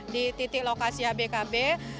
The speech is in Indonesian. di titik lokasi abkb